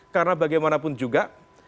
karena bagaimanapun juga